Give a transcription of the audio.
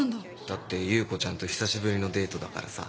だって優子ちゃんと久しぶりのデートだからさ。